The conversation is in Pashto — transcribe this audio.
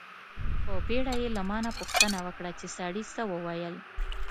په بیړه یې له ما نه پوښتنه وکړه چې سړي څه و ویل.